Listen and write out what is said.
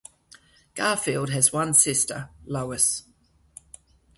Garfield has one sister, Lois.